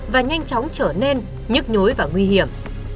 và nhanh chóng trở nên nhức nhối và nguy hiểm